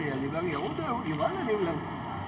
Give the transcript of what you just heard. ya udah gimana dia bilang